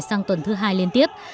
sang tuần thứ hai liên tiếp